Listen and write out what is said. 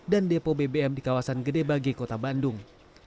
dan depo bbm di kawasan gedebagi kota bandung